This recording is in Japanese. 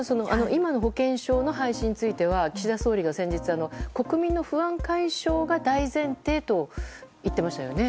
今の保険証の廃止については岸田総理が先日国民の不安解消が大前提と言っていましたよね。